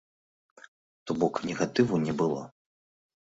То-бок, негатыву не было.